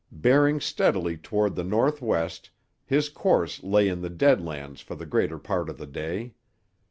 Bearing steadily toward the northwest, his course lay in the Dead Lands for the greater part of the day.